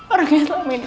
orang yang selama ini